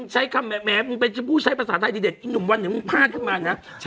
ใช้คำแหมมึงเป็นผู้ใช้ภาษาไทยเด็ดอีหนุ่มวันหนึ่งมึงพลาดขึ้นมานะ